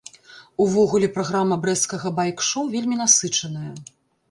Увогуле праграма брэсцкага байк-шоў вельмі насычаная.